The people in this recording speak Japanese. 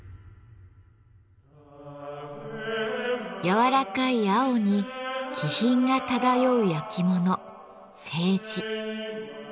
柔らかい青に気品が漂うやきもの「青磁」。